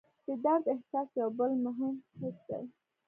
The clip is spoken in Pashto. د درد احساس یو بل مهم حس دی.